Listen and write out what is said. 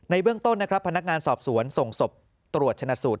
เบื้องต้นนะครับพนักงานสอบสวนส่งศพตรวจชนะสูตร